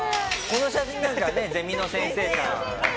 この写真なんかはねゼミの先生感。